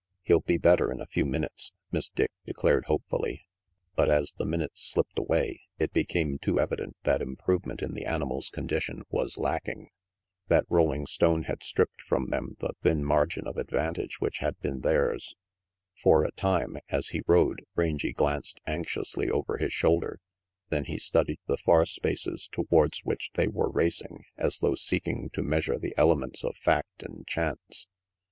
"He'll be better in a few minutes," Miss Dick declared hopefully ; but as the minutes slipped away, it became too evident that improvement in the animal's condition was lacking. That rolling stone had stripped from them the thin margin of advantage which had been theirs. For a time, as he rode, Rangy glanced anxiously over his shoulder, then he studied the far spaces towards which they were racing, as though seeking to measure the elements of fact and chance.